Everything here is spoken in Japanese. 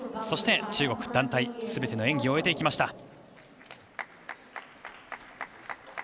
そして中国団体すべての演技を終えていきました。